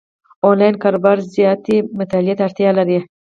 انلاین کاروبار زیاتې مطالعې ته اړتیا لري،